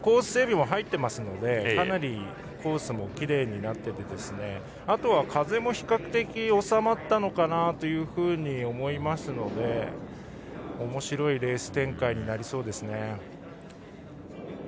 整備も入っていますのでかなりコースもきれいになっててあとは風も比較的収まったのかなと思いますのでおもしろいレース展開になりそうですね。